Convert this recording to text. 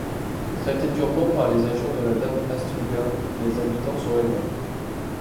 Traités durement par les agents de la dame Astruga, les habitants se révoltent.